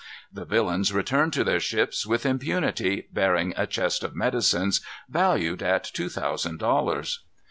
The villains returned to their ships with impunity, bearing a chest of medicines valued at two thousand dollars.